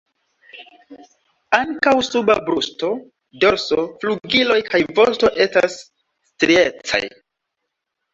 Ankaŭ suba brusto, dorso, flugiloj kaj vosto estas striecaj.